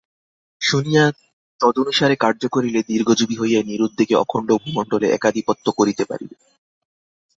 শুনিয়া তদনুসারে কার্য করিলে দীর্ঘজীবী হইয়া নিরুদ্বেগে অখণ্ড ভূমণ্ডলে একাধিপত্য করিতে পারিবে।